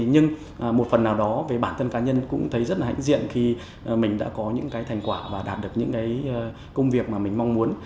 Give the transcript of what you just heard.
nhưng một phần nào đó về bản thân cá nhân cũng thấy rất là hãnh diện khi mình đã có những cái thành quả và đạt được những cái công việc mà mình mong muốn